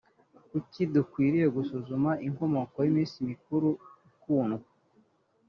kuki dukwiriye gusuzuma inkomoko y’iminsi mikuru ikundwa